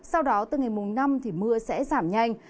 sau đó từ ngày mùng năm thì mưa sẽ giảm nhanh